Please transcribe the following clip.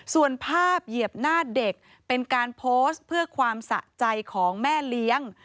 ส่วนภาพเหยียบหน้าเด็กเป็นการโพสต์เพื่อความสะใจของแม่เลี้ยง